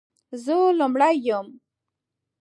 زه لومړۍ یم،